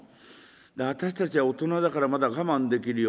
私たちは大人だからまだ我慢できるよ。